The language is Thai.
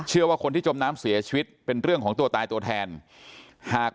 เชื่อว่าคนที่จมน้ำเสียชีวิตเป็นเรื่องของตัวตายตัวแทนหาก